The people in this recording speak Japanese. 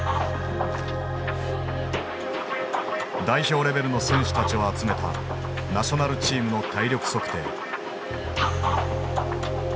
代表レベルの選手たちを集めたナショナルチームの体力測定。